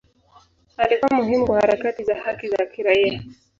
Alikuwa muhimu kwa harakati za haki za kiraia.